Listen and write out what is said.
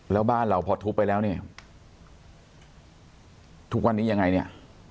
แล้วบ้านเราพอทุบไปแล้วเนี่ยทุกวันนี้ยังไงเนี่ย